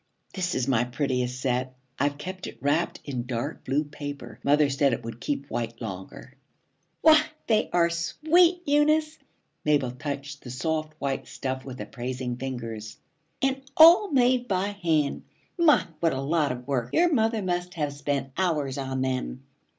'This is my prettiest set. I've kept it wrapped in dark blue paper. Mother said it would keep white longer.' 'Why, they are sweet, Eunice!' Mabel touched the soft white stuff with appraising fingers. 'And all made by hand. My, what a lot of work! Your mother must have spent hours on them.'